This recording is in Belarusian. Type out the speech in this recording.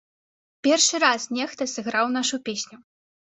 Першы раз нехта сыграў нашу песню!